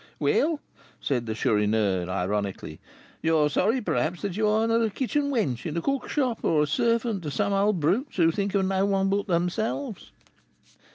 "Well," said the Chourineur, ironically, "you are sorry, perhaps, that you are not a kitchen wench in a cook shop, or a servant to some old brutes who think of no one but themselves."